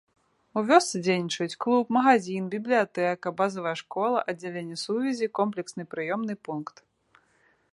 У вёсцы дзейнічаюць клуб, магазін, бібліятэка, базавая школа, аддзяленне сувязі, комплексны прыёмны пункт.